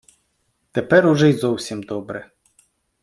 Тепер уже й зовсім добре...